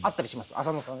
浅野さん